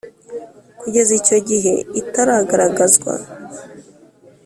kugeza icyo gihe itaragaragazwa